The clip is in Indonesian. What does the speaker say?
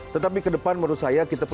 tetapi kedepan menurut saya kita punya